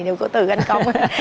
đều có từ gánh công